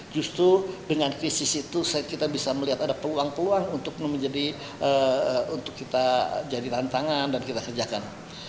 justru dengan krisis itu kita bisa melihat ada peluang peluang untuk kita jadi tantangan dan kita kerjakan